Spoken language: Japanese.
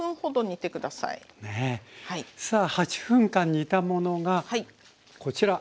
さあ８分間煮たものがこちら。